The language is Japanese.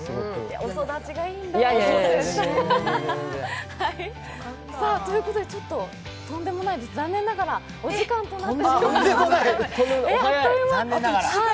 お育ちがいいんだな。ということでとんでもないです、残念ながらお時間となってしまいましたあっという間。